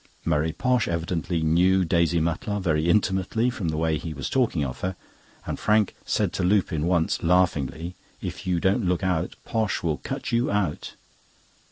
Murray Posh evidently knew Daisy Mutlar very intimately from the way he was talking of her; and Frank said to Lupin once, laughingly: "If you don't look out, Posh will cut you out!"